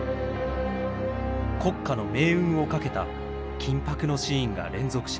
国家の命運を懸けた緊迫のシーンが連続します。